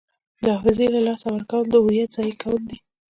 د حافظې له لاسه ورکول د هویت ضایع کول دي.